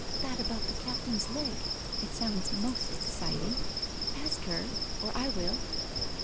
"That about the captain's leg. It sounds most exciting. Ask her — or I will."